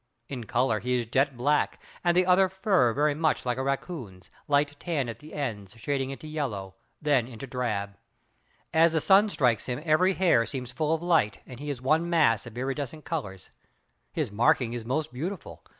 In color he is jet black and the other fur very much like a raccoon's, light tan at the ends shading into yellow, then into drab. As the sun strikes him every hair seems full of light and he is one mass of iridescent colors. His marking is most beautiful.